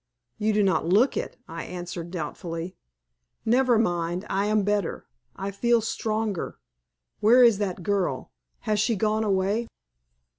"You do not look it," I answered, doubtfully. "Never mind, I am better, I feel stronger. Where is that girl? Has she gone away?"